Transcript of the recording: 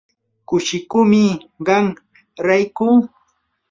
kushikuumi qam rayku.